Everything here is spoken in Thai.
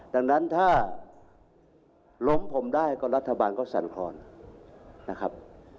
ดังนั้นถ้าล้มผมได้ก็รัฐบาลก็สั่นครอนนะครับ